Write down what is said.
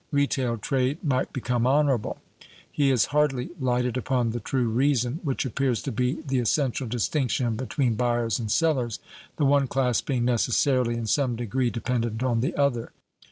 retail trade might become honourable. He has hardly lighted upon the true reason, which appears to be the essential distinction between buyers and sellers, the one class being necessarily in some degree dependent on the other.